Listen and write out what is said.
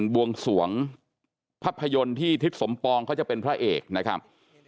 บวงสวงภาพยนตร์ที่ทิศสมปองเขาจะเป็นพระเอกนะครับ